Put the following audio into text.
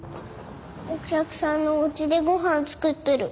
お客さんのお家でご飯作ってる。